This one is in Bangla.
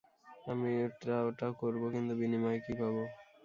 আমি এটা ওটা করব, কিন্তু বিনিময়ে কি পাবো?